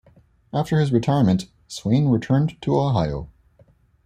After his retirement, Swayne returned to Ohio.